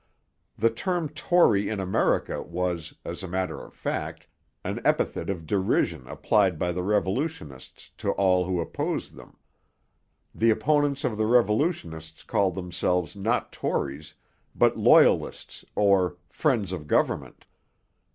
The term Tory in America was, as a matter of fact, an epithet of derision applied by the revolutionists to all who opposed them. The opponents of the revolutionists called themselves not Tories, but Loyalists or 'friends of government.'